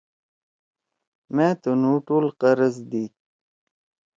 مأ تُنُو ٹول قرض دیِد۔